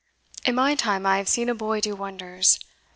In my time I have seen a boy do wonders.